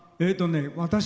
私